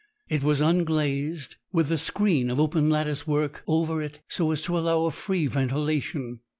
It was unglazed, with a screen of open lattice work over it so as to allow of free ventilation.